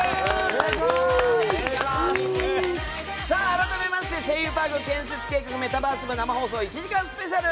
改めまして「声優パーク建設企画メタバース部」生放送１時間スペシャル！